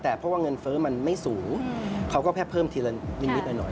แต่เพราะว่าเงินเฟ้อมันไม่สูงเขาก็แค่เพิ่มทีละนิดหน่อย